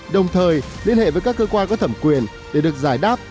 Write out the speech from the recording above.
đồng thời liên hệ với các cơ quan có thẩm quyền để được giải đáp